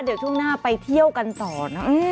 เดี๋ยวช่วงหน้าไปเที่ยวกันต่อเนอะ